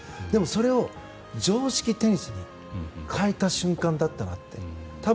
それを、常識テニスに変えた瞬間だったなと。